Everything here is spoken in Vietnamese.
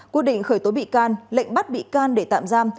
quyết định khởi tố bị can lệnh bắt bị can để tạm giam